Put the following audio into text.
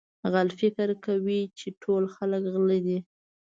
غل فکر کوي چې ټول خلک غله دي.